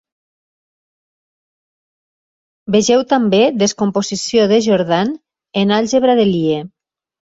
Vegeu també: descomposició de Jordan en àlgebra de Lie.